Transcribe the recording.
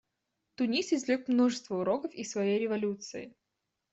Тунис извлек множество уроков из своей революции.